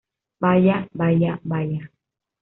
Vaya, vaya, vaya.